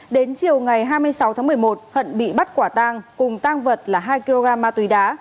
đến chiều ngày hai mươi sáu tháng một mươi một hận bị bắt quả tang cùng tang vật là hai kg ma túy đá